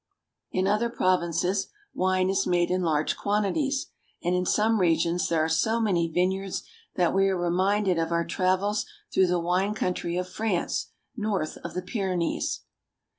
In other provinces wine is made in large quantities, and in some regions there are so many vineyards that we are reminded of our travels through the wine country of France north of the Pyrenees.